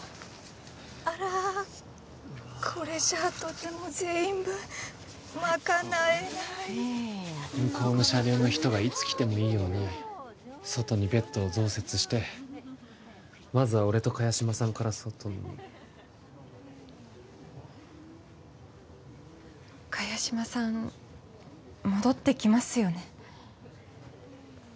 あらこれじゃとても全員分まかなえない向こうの車両の人がいつ来てもいいように外にベッドを増設してまずは俺と萱島さんから外に萱島さん戻ってきますよね